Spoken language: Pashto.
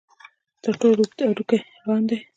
تر ټولو اوږد هډوکی ران دی.